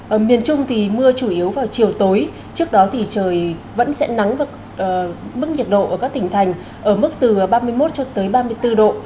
ở miền trung thì mưa chủ yếu vào chiều tối trước đó thì trời vẫn sẽ nắng và mức nhiệt độ ở các tỉnh thành ở mức từ ba mươi một cho tới ba mươi bốn độ